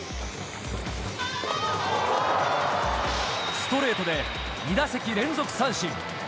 ストレートで２打席連続三振。